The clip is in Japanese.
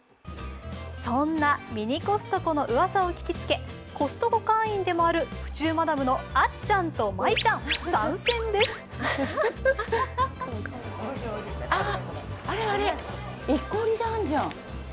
そんなミニコストコのうわさを聞きつけコストコ会員でもある府中マダムのあっちゃんとまいちゃん、参戦ですあっ